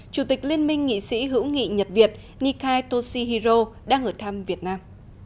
chủ tịch liên minh nghị sĩ hữu nghị nhật việt nikai toshihiro đang ở thăm việt nam